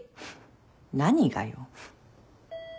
何がよ。